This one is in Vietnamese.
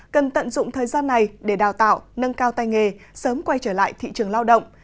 cần tận dụng thời gian này để đào tạo nâng cao tay nghề sớm quay trở lại thị trường lao động